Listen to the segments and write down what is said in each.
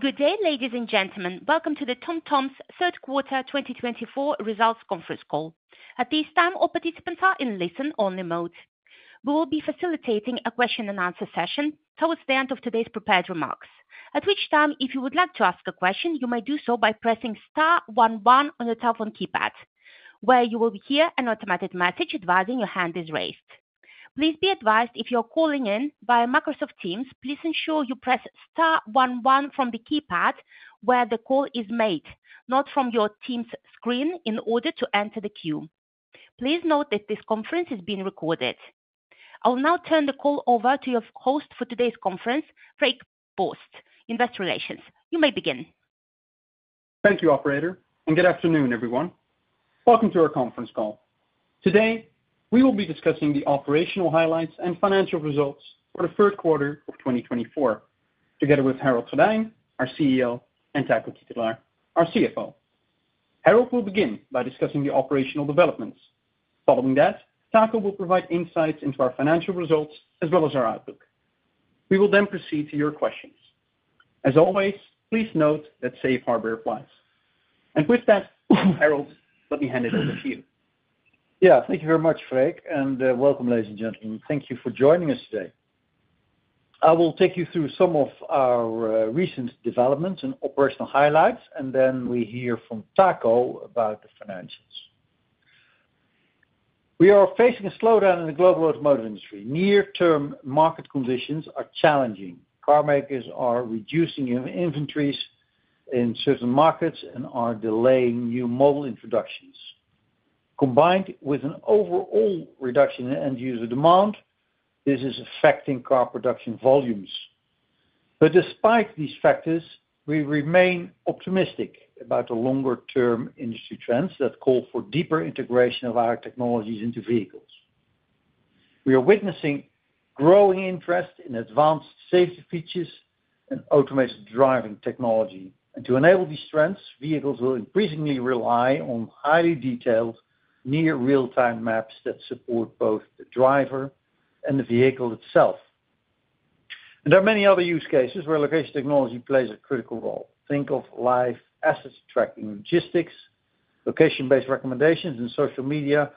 Good day, ladies and gentlemen. Welcome to the TomTom's Q3 twenty twenty-four results conference call. At this time, all participants are in listen-only mode. We will be facilitating a question and answer session towards the end of today's prepared remarks, at which time, if you would like to ask a question, you may do so by pressing star one one on your telephone keypad, where you will hear an automatic message advising your hand is raised. Please be advised, if you're calling in via Microsoft Teams, please ensure you press star one one from the keypad where the call is made, not from your Teams screen, in order to enter the queue. Please note that this conference is being recorded. I'll now turn the call over to your host for today's conference, Freek Borst, Investor Relations. You may begin. Thank you, operator, and good afternoon, everyone. Welcome to our conference call. Today, we will be discussing the operational highlights and financial results for the Q3 of twenty twenty-four, together with Harold Goddijn, our CEO, and Taco Titulaer, our CFO. Harold will begin by discussing the operational developments. Following that, Taco will provide insights into our financial results as well as our outlook. We will then proceed to your questions. As always, please note that safe harbor applies. And with that, Harold, let me hand it over to you. Yeah. Thank you very much, Freek, and welcome, ladies and gentlemen. Thank you for joining us today. I will take you through some of our recent developments and operational highlights, and then we hear from Taco about the financials. We are facing a slowdown in the global automotive industry. Near-term market conditions are challenging. Car makers are reducing inventories in certain markets and are delaying new model introductions. Combined with an overall reduction in end-user demand, this is affecting car production volumes. But despite these factors, we remain optimistic about the longer-term industry trends that call for deeper integration of our technologies into vehicles. We are witnessing growing interest in advanced safety features and automated driving technology, and to enable these trends, vehicles will increasingly rely on highly detailed, near real-time maps that support both the driver and the vehicle itself. And there are many other use cases where location technology plays a critical role. Think of live assets tracking, logistics, location-based recommendations in social media,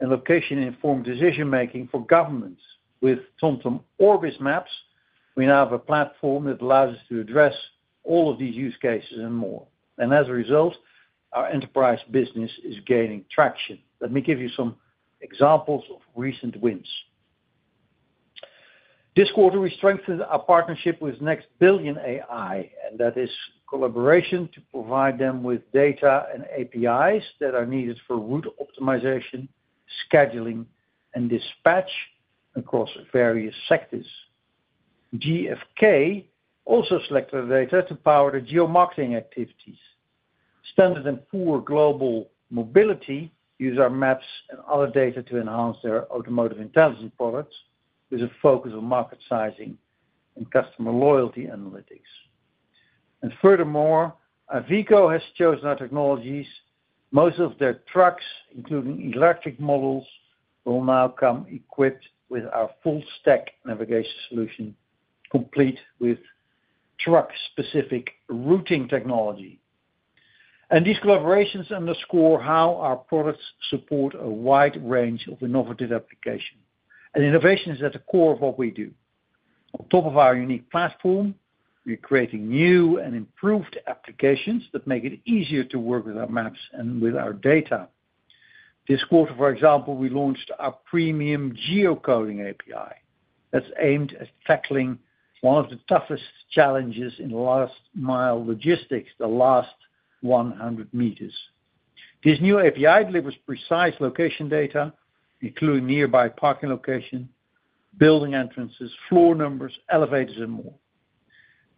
and location-informed decision making for governments. With TomTom Orbis Maps, we now have a platform that allows us to address all of these use cases and more, and as a result, our enterprise business is gaining traction. Let me give you some examples of recent wins. This quarter, we strengthened our partnership with NextBillion.ai, and that is collaboration to provide them with data and APIs that are needed for route optimization, scheduling, and dispatch across various sectors. GfK also selected our data to power the geomarketing activities. S&P Global Mobility use our maps and other data to enhance their automotive intelligence products with a focus on market sizing and customer loyalty analytics. And furthermore, Iveco has chosen our technologies. Most of their trucks, including electric models, will now come equipped with our full-stack navigation solution, complete with truck-specific routing technology. And these collaborations underscore how our products support a wide range of innovative application, and innovation is at the core of what we do. On top of our unique platform, we're creating new and improved applications that make it easier to work with our maps and with our data. This quarter, for example, we launched our premium geocoding API, that's aimed at tackling one of the toughest challenges in the last mile logistics, the last one hundred meters. This new API delivers precise location data, including nearby parking location, building entrances, floor numbers, elevators, and more.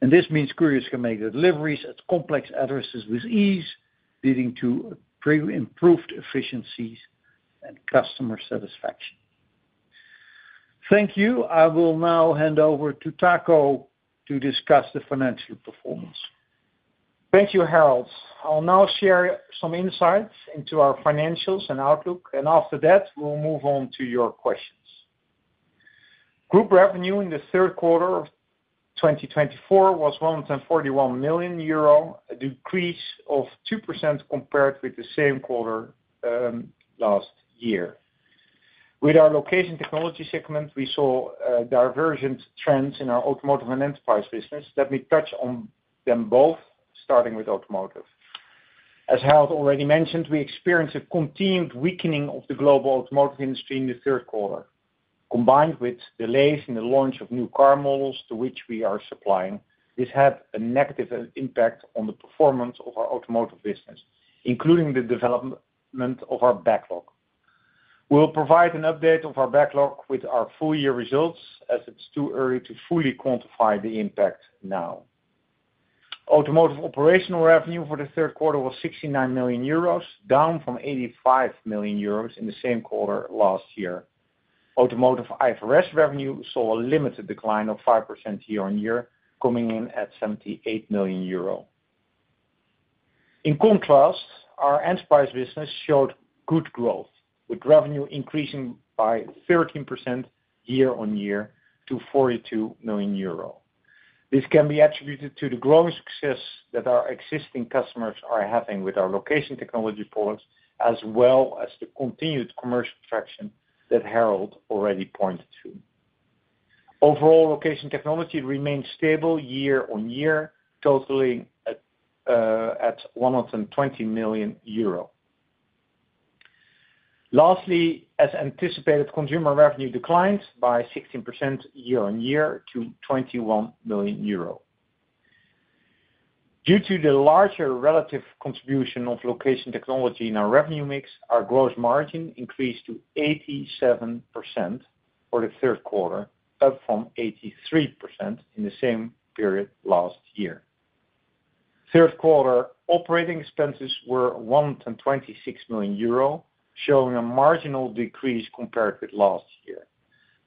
And this means couriers can make deliveries at complex addresses with ease, leading to improved efficiencies and customer satisfaction. Thank you. I will now hand over to Taco to discuss the financial performance. Thank you, Harold. I'll now share some insights into our financials and outlook, and after that, we'll move on to your questions. Group revenue in the Q3 of twenty twenty-four was 141 million euro, a decrease of 2% compared with the same quarter last year. With our location technology segment, we saw divergent trends in our automotive and enterprise business. Let me touch on them both, starting with automotive. As Harold already mentioned, we experienced a continued weakening of the global automotive industry in the Q3, combined with delays in the launch of new car models to which we are supplying. This had a negative impact on the performance of our automotive business, including the development of our backlog. We'll provide an update of our backlog with our full year results, as it's too early to fully quantify the impact now. Automotive operational revenue for the Q3 was 69 million euros, down from 85 million euros in the same quarter last year. Automotive IFRS revenue saw a limited decline of 5% year on year, coming in at 78 million euro.... In contrast, our enterprise business showed good growth, with revenue increasing by 13% year on year to 42 million euro. This can be attributed to the growing success that our existing customers are having with our location technology products, as well as the continued commercial traction that Harold already pointed to. Overall, location technology remains stable year on year, totaling at at 120 million EUR. Lastly, as anticipated, consumer revenue declined by 16% year on year to 21 million euro. Due to the larger relative contribution of location technology in our revenue mix, our gross margin increased to 87% for the Q3, up from 83% in the same period last year. Third quarter operating expenses were 126 million euro, showing a marginal decrease compared with last year.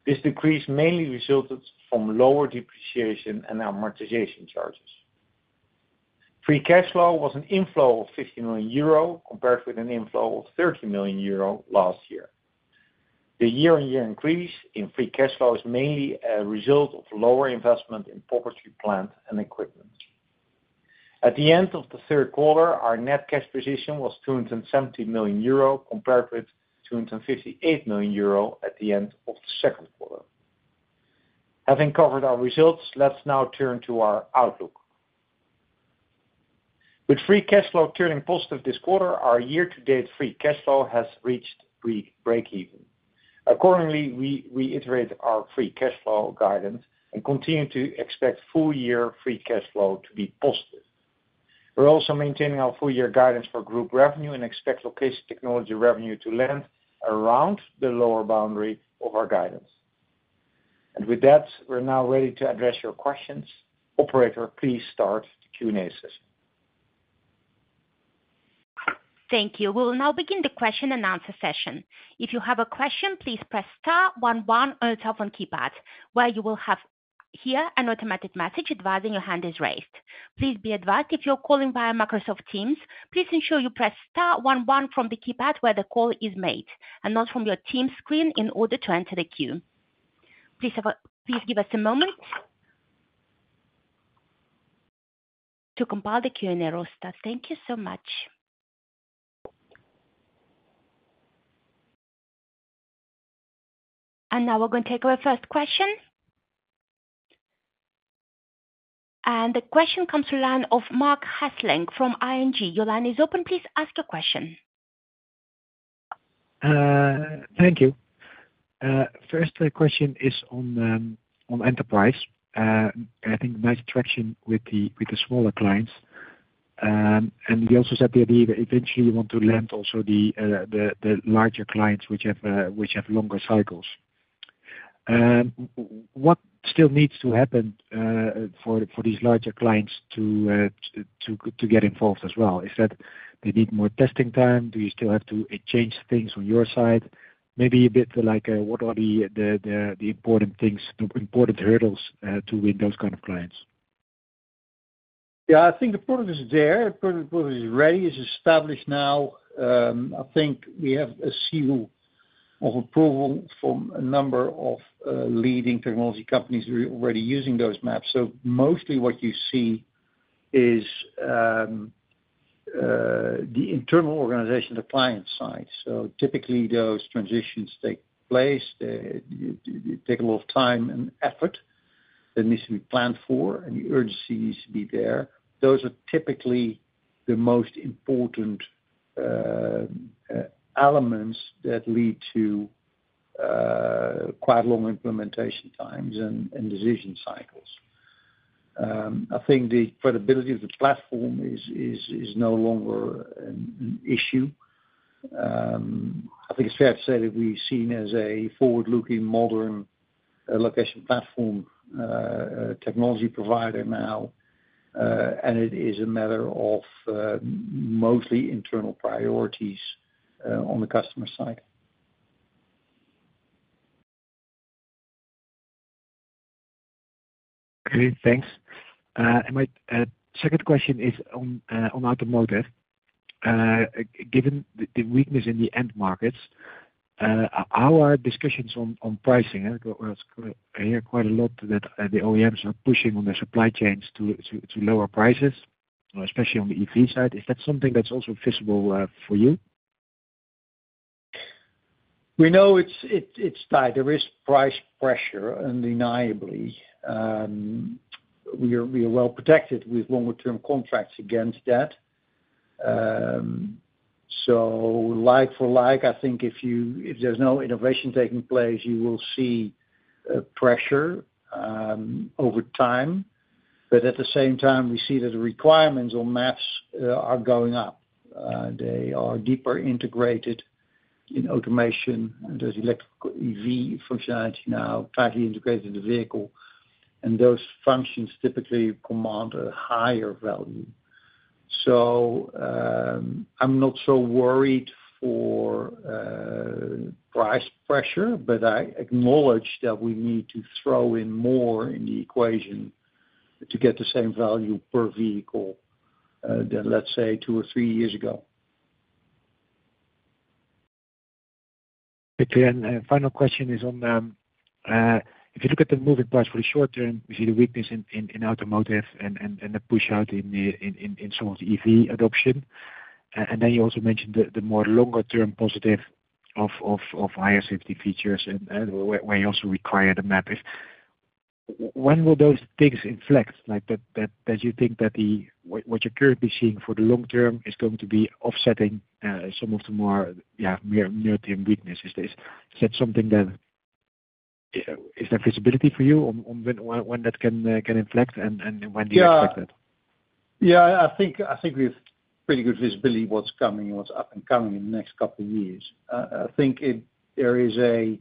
This decrease mainly resulted from lower depreciation and amortization charges. Free cash flow was an inflow of 50 million euro, compared with an inflow of 30 million euro last year. The year-on-year increase in free cash flow is mainly a result of lower investment in property, plant, and equipment. At the end of the Q3, our net cash position was 270 million euro, compared with 258 million euro at the end of the Q2. Having covered our results, let's now turn to our outlook. With free cash flow turning positive this quarter, our year-to-date free cash flow has reached break-even. Accordingly, we reiterate our free cash flow guidance and continue to expect full year free cash flow to be positive. We're also maintaining our full year guidance for group revenue and expect location technology revenue to land around the lower boundary of our guidance. With that, we're now ready to address your questions. Operator, please start the Q&A session. Thank you. We'll now begin the question and answer session. If you have a question, please press star one one on your telephone keypad, where you will hear an automatic message advising that your hand is raised. Please be advised, if you're calling via Microsoft Teams, please ensure you press star one one from the keypad where the call is made, and not from your Teams screen in order to enter the queue. Please give us a moment to compile the Q&A roster. Thank you so much. And now we're going to take our first question. And the question comes to the line of Marc Hesselink from ING. Your line is open, please ask your question. Thank you. First, my question is on enterprise. I think nice traction with the smaller clients, and you also said the idea that eventually you want to land also the larger clients, which have longer cycles. What still needs to happen for these larger clients to get involved as well? Is that they need more testing time? Do you still have to change things on your side? Maybe a bit like what are the important things, the important hurdles to win those kind of clients? Yeah, I think the product is there. The product is ready, is established now. I think we have a seal of approval from a number of leading technology companies who are already using those maps. So mostly what you see is the internal organization, the client side. So typically, those transitions take place. They take a lot of time and effort that needs to be planned for, and the urgency needs to be there. Those are typically the most important elements that lead to quite long implementation times and decision cycles. I think the credibility of the platform is no longer an issue. I think it's fair to say that we're seen as a forward-looking modern location platform technology provider now, and it is a matter of mostly internal priorities on the customer side. Great, thanks. And my second question is on automotive. Given the weakness in the end markets, how are discussions on pricing? I hear quite a lot that the OEMs are pushing on the supply chains to lower prices, especially on the EV side. Is that something that's also feasible for you? We know it's tight. There is price pressure, undeniably. We are well protected with longer term contracts against that. So like for like, I think if you-- if there's no innovation taking place, you will see pressure over time. But at the same time, we see that the requirements on maps are going up. They are deeper integrated in automation, and there's electric EV functionality now tightly integrated in the vehicle, and those functions typically command a higher value. So I'm not so worried about price pressure, but I acknowledge that we need to throw in more in the equation to get the same value per vehicle than let's say two or three years ago. Okay, and final question is on if you look at the moving parts for the short term, we see the weakness in automotive and the push out in some of the EV adoption. And then you also mentioned the more longer term positive of higher safety features and where you also require the map. When will those things inflect? That as you think that the what you're currently seeing for the long term is going to be offsetting some of the more yeah near-term weaknesses. Is that something that? Is there visibility for you on when that can inflect, and when do you expect that? Yeah. Yeah, I think, I think we have pretty good visibility what's coming, what's up and coming in the next couple of years. I think there is a,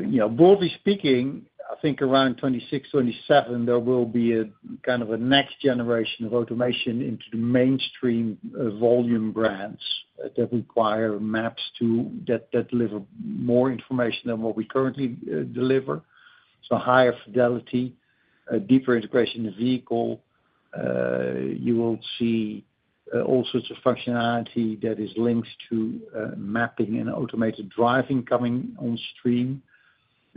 you know, broadly speaking, I think around 2026, 2027, there will be a kind of a next generation of automation into the mainstream, volume brands, that require maps to... That deliver more information than what we currently deliver. So higher fidelity, a deeper integration in the vehicle. You will see all sorts of functionality that is linked to mapping and automated driving coming on stream.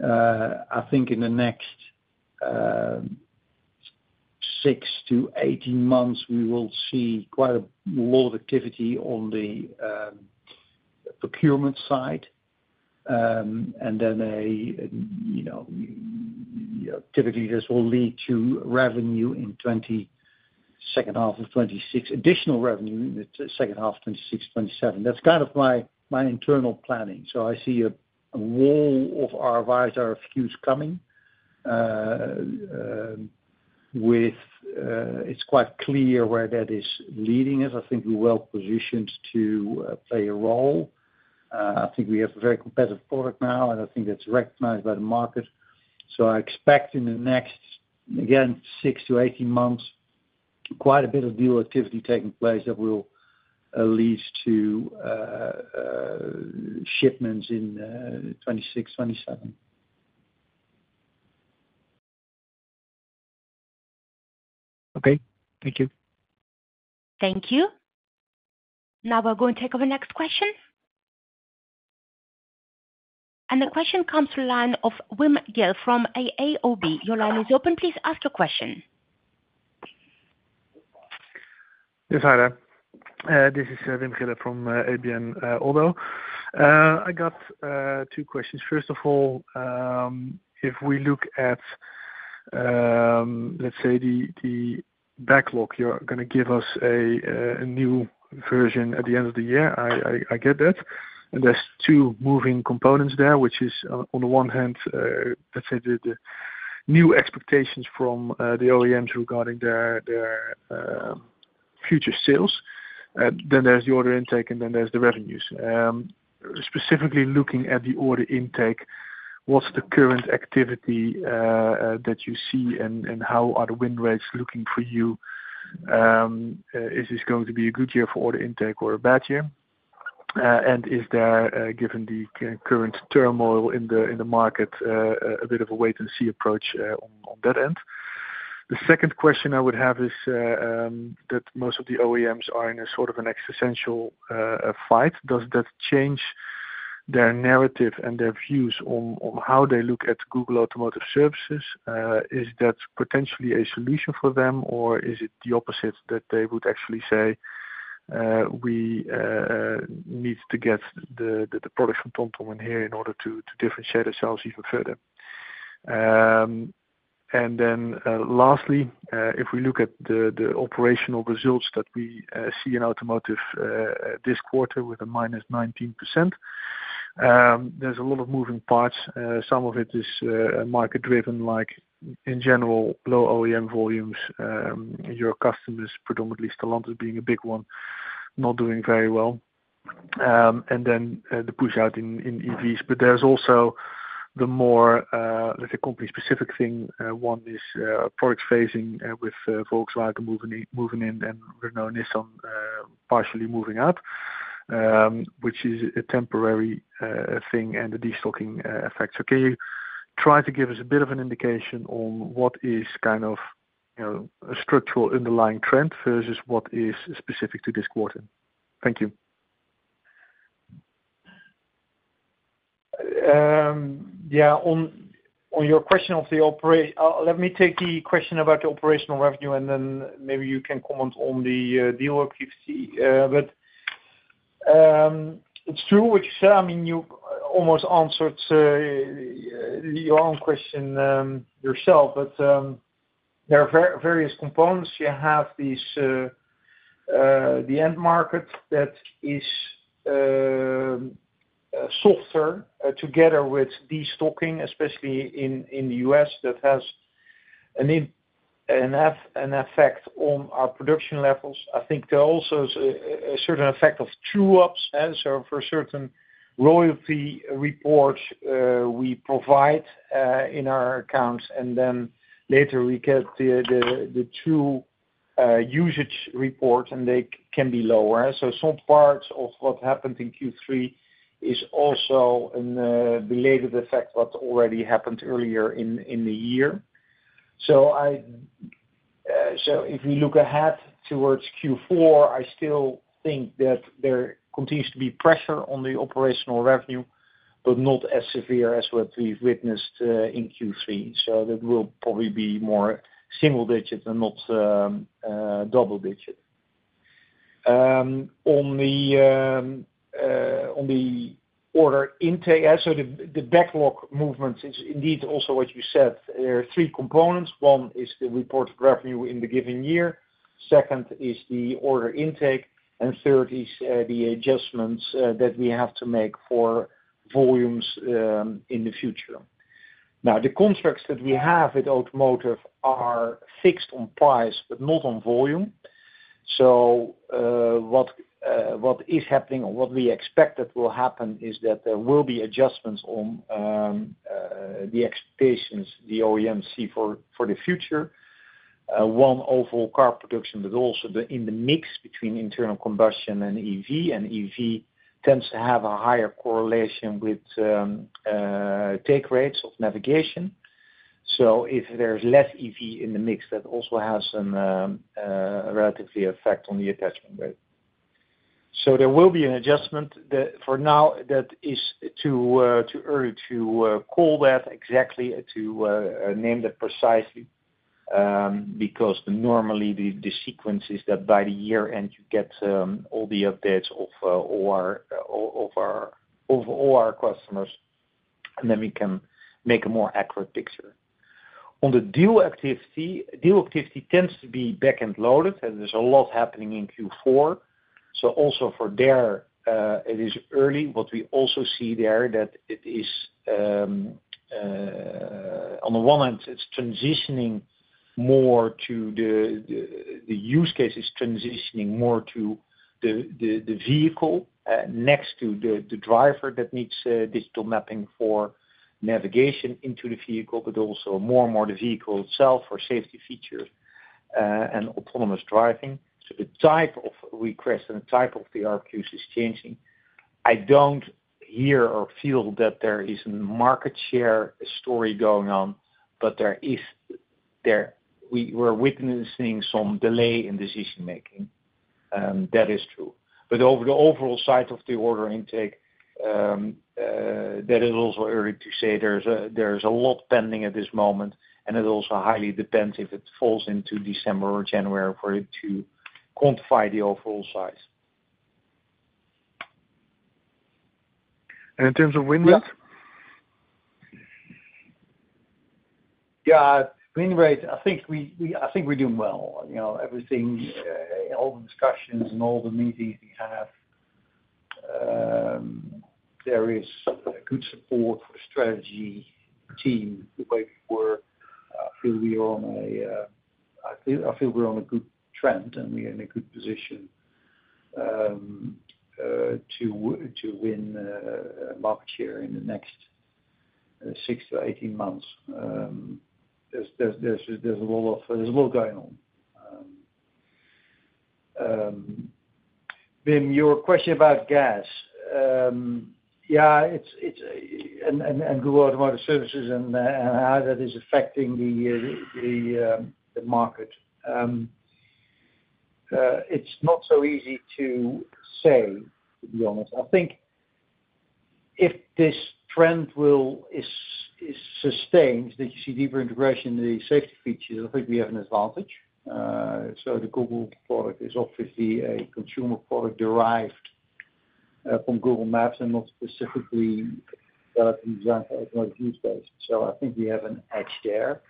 I think in the next six to 18 months, we will see quite a lot of activity on the procurement side. And then, you know, typically this will lead to revenue in second half of 2026, additional revenue in the second half 2026, 2027. That's kind of my internal planning. So I see a wall of RFQs coming. It's quite clear where that is leading us. I think we're well positioned to play a role. I think we have a very competitive product now, and I think that's recognized by the market. So I expect in the next, again, six to 18 months, quite a bit of deal activity taking place that will leads to shipments in 2026, 2027. Okay. Thank you. Thank you. Now we'll go and take our next question. And the question comes through the line of Wim Gille from ABN AMRO. Your line is open. Please ask your question. Yes, hi there. This is Wim Gille from ABN AMRO. I got two questions. First of all, if we look at, let's say, the backlog, you're gonna give us a new version at the end of the year. I get that. And there's two moving components there, which is on the one hand, let's say the new expectations from the OEMs regarding their future sales. Then there's the order intake, and then there's the revenues. Specifically looking at the order intake, what's the current activity that you see, and how are the win rates looking for you? Is this going to be a good year for order intake or a bad year? And is there, given the current turmoil in the market, a bit of a wait and see approach, on that end? The second question I would have is, that most of the OEMs are in a sort of an existential fight. Does that change their narrative and their views on, on how they look at Google Automotive Services? Is that potentially a solution for them, or is it the opposite, that they would actually say, "We need to get the product from TomTom in here in order to differentiate ourselves even further?" And then, lastly, if we look at the operational results that we see in automotive this quarter with a minus 19%, there's a lot of moving parts. Some of it is market driven, like in general, low OEM volumes. Your customers, predominantly Stellantis being a big one, not doing very well. And then the push out in EVs. But there's also the more, let's say, company-specific thing. One is product phasing with Volkswagen moving in, and Renault-Nissan partially moving out, which is a temporary thing and the destocking effects. Okay, try to give us a bit of an indication on what is kind of, you know, a structural underlying trend versus what is specific to this quarter. Thank you. Yeah, on your question, let me take the question about the operational revenue, and then maybe you can comment on the dealer activity. But it's true, which I mean, you almost answered your own question yourself, but there are various components. You have these the end market that is softer together with destocking, especially in the U.S., that has an effect on our production levels. I think there's also a certain effect of true-ups, and so for certain royalty reports we provide in our accounts, and then later we get the true-up usage report, and they can be lower. So some parts of what happened in Q3 is also a belated effect what already happened earlier in the year. So if we look ahead towards Q4, I still think that there continues to be pressure on the operational revenue, but not as severe as what we've witnessed in Q3. So that will probably be more single digit and not double digit. On the order intake, so the backlog movement is indeed also what you said. There are three components: one is the reported revenue in the given year, second is the order intake, and third is the adjustments that we have to make for volumes in the future. Now, the contracts that we have with automotive are fixed on price, but not on volume. So what is happening or what we expect that will happen is that there will be adjustments on the expectations the OEMs see for the future. One, overall car production, but also in the mix between internal combustion and EV, and EV tends to have a higher correlation with take rates of navigation. So if there's less EV in the mix, that also has some relative effect on the attachment rate. So there will be an adjustment. For now, that is too early to call that exactly, to name that precisely, because normally the sequence is that by the year end, you get all the updates of all our customers, and then we can make a more accurate picture. On the deal activity, deal activity tends to be back-end loaded, and there's a lot happening in Q4, so also for there, it is early, but we also see there that it is, on the one hand, it's transitioning more to the use case is transitioning more to the vehicle, next to the driver that needs digital mapping for navigation into the vehicle, but also more and more the vehicle itself for safety features and autonomous driving, so the type of request and the type of the RFQs is changing. I don't hear or feel that there is a market share story going on, but there is. We're witnessing some delay in decision making, that is true, but over the overall size of the order intake, that is also early to say. There's a lot pending at this moment, and it also highly depends if it falls into December or January for it to quantify the overall size. In terms of win rate? Yeah. Yeah, win rate, I think we're doing well. You know, everything, all the discussions and all the meetings we have, there is good support for strategy team, the way we work. I feel we are on a good trend, and we're in a good position to win market share in the next six to 18 months. There's a lot going on. Then your question about GAS. Yeah, it's Google Automotive Services and how that is affecting the market. It's not so easy to say, to be honest. I think if this trend is sustained, that you see deeper integration in the safety features. I think we have an advantage. So the Google product is obviously a consumer product derived from Google Maps and not specifically developed and designed for automotive use case. So I think we have an edge there.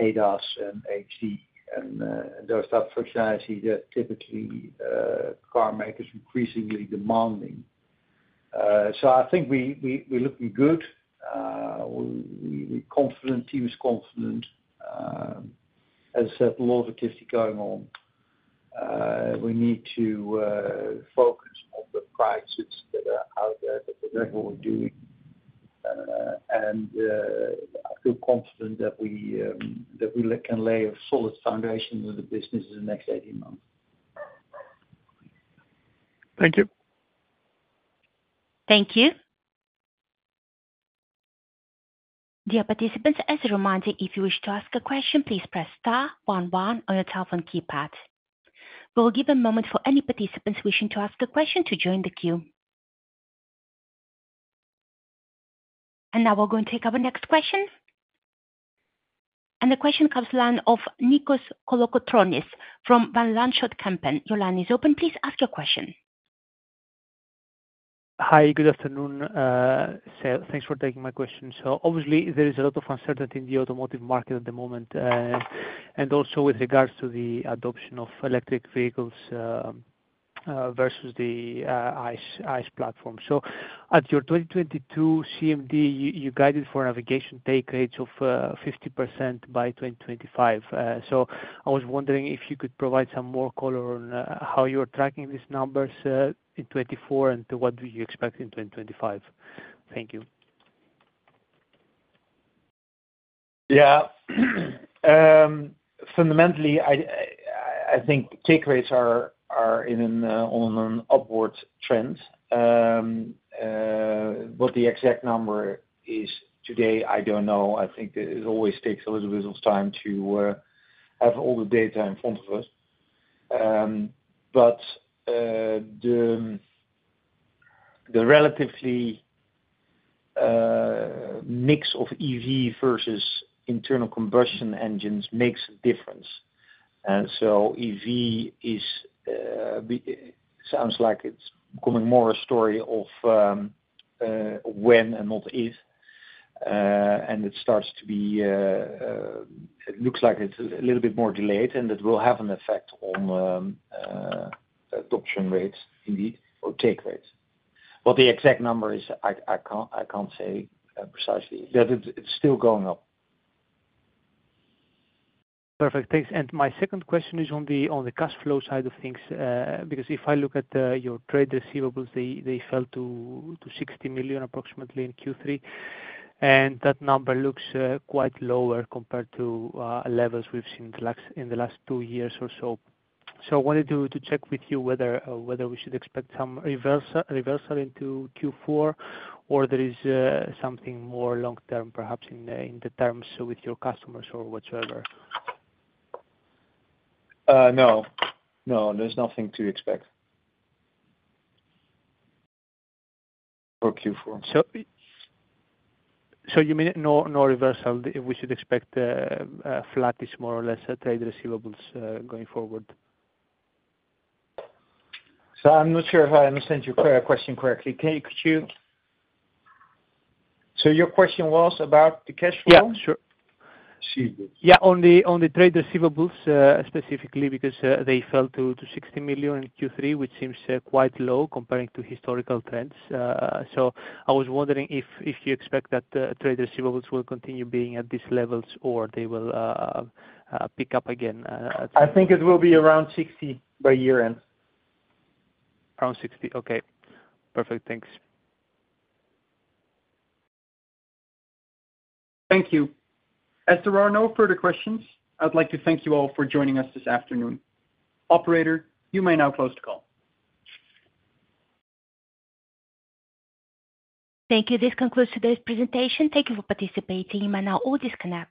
ADAS and HD and those type of functionality that typically car makers increasingly demanding. So I think we're looking good. We're confident, team is confident. As I said, a lot of activity going on. We need to focus on the prices that are out there, that is what we're doing. And I feel confident that we can lay a solid foundation in the business in the next eighteen months. Thank you. Thank you. Dear participants, as a reminder, if you wish to ask a question, please press star one one on your telephone keypad. We'll give a moment for any participants wishing to ask a question to join the queue. Now we're going to take our next question. The question comes from the line of Nikos Kolokotronis from Van Lanschot Kempen. Your line is open, please ask your question. Hi, good afternoon, Seth. Thanks for taking my question. So obviously, there is a lot of uncertainty in the automotive market at the moment, and also with regards to the adoption of electric vehicles versus the ICE platform. So at your 2022 CMD, you guided for navigation take rates of 50% by 2025. So I was wondering if you could provide some more color on how you're tracking these numbers in 2024, and what do you expect in 2025? Thank you. Yeah. Fundamentally, I think take rates are in an upwards trend. What the exact number is today, I don't know. I think it always takes a little bit of time to have all the data in front of us. But the relative mix of EV versus internal combustion engines makes a difference. And so EV sounds like it's becoming more a story of when and not if, and it starts to be it looks like it's a little bit more delayed, and it will have an effect on adoption rates indeed, or take rates. But the exact number, I can't say precisely, but it's still going up. Perfect, thanks. And my second question is on the cash flow side of things. Because if I look at your trade receivables, they fell to approximately 60 million in Q3, and that number looks quite lower compared to levels we've seen in the last two years or so. So I wanted to check with you whether we should expect some reversal into Q4, or there is something more long term, perhaps in the terms with your customers or whatsoever? No. No, there's nothing to expect... for Q4. You mean no, no reversal, we should expect flattish, more or less, trade receivables going forward? So I'm not sure if I understand your question correctly. Can you... So your question was about the cash flow? Yeah, sure. Receivables. Yeah, on the trade receivables, specifically because they fell to 60 million in Q3, which seems quite low comparing to historical trends. So I was wondering if you expect that trade receivables will continue being at these levels or they will pick up again, I think it will be around 60 by year end. Around 60. Okay, perfect. Thanks. Thank you. As there are no further questions, I'd like to thank you all for joining us this afternoon. Operator, you may now close the call. Thank you. This concludes today's presentation. Thank you for participating. You may now all disconnect.